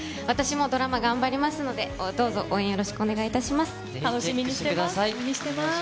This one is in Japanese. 私もドラマ頑張りますので、どうぞ、応援よろしくお願いしま